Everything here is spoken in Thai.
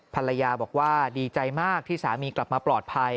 ภรรยาบอกว่าดีใจมากที่สามีกลับมาปลอดภัย